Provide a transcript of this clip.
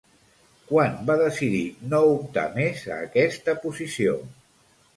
Quan va decidir no optar més a aquesta posició?